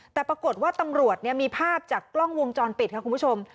แต่ปรากฏว่าตำรวจมีภาพจากกล้องวงจรปิดค่ะคุณผู้ชม